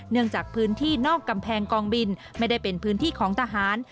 จากพื้นที่นอกกำแพงกองบินไม่ได้เป็นพื้นที่ของทหาร